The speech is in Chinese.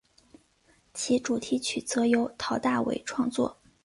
其主题曲则由陶大伟创作。